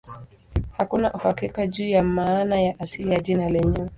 Hakuna uhakika juu ya maana ya asili ya jina lenyewe.